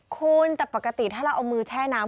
คุณแต่ปกติถ้าเราเอามือแช่น้ำ